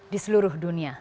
di seluruh dunia